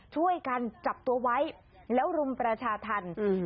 ช่วยกันจับตัวไว้แล้วรุมประชาธรรม